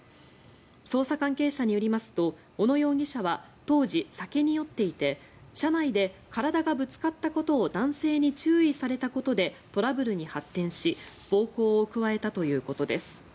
捜査関係者によりますと小野容疑者は当時、酒に酔っていて車内で体がぶつかったことを男性に注意されたことでトラブルに発展し暴行を加えたということです。